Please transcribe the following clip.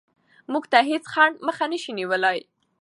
موږ ته هېڅ خنډ مخه نشي نیولی.